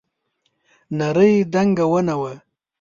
نرۍ دنګه ونه وه.